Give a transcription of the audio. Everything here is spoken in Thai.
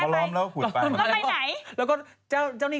ล้อมต้นไม้ไป